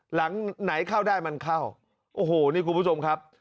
หลังไหนเข้าได้มันเข้าโอ้โหนี่คุณผู้ชมครับ